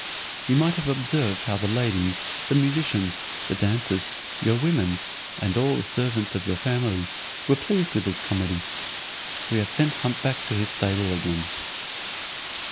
You might have observed how the ladies, the musicians, the dancers, your women, and all the servants of your family, were pleased with this comedy. We have sent hump back to his stable again."